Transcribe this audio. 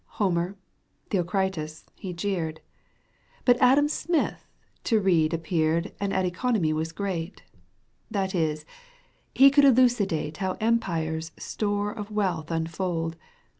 Homer, Theocritus, he jeered, But Adam Smith to read appeared, And at economy was great ; That is, he could elucidate How empires store of wealth unfold.